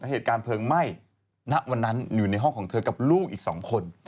เหตุการณ์เพลิงไหม้ณวันนั้นอยู่ในห้องของเธอกับลูกอีก๒คน